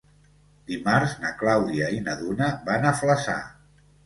Dimarts na Clàudia i na Duna van a Flaçà.